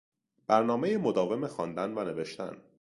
برنامهی مداوم خواندن و نوشتن